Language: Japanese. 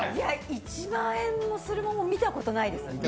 １万円もする桃見たことないです。